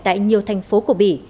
tại nhiều thành phố của bỉ